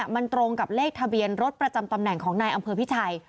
มันตรงกับเลขทะเบียนรถประจำตำแหน่งของนายอำเภอพิชัย